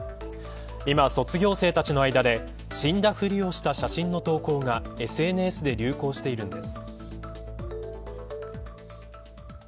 今、卒業生たちの間で死んだふりをした写真の投稿がＳＮＳで流行しているんです。